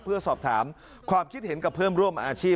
เพื่อสอบถามความคิดเห็นกับเพื่อนร่วมอาชีพ